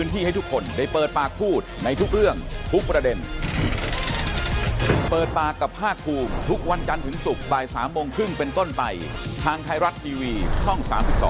ทุกวันศุกร์บาย๓โมงครึ่งเป็นต้นไปทางไทยรัฐทีวีช่อง๓๒